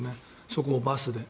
そこをバスで。